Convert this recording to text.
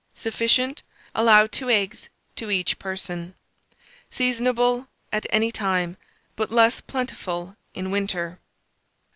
Sufficient. Allow 2 eggs to each person. Seasonable at any time, but less plentiful in winter.